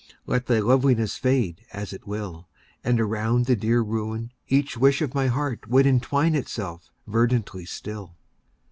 Let thy loveliness fade as it will. And around the dear ruin each wish of my heart Would entwine itself verdantly still.